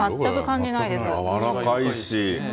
やわらかいし。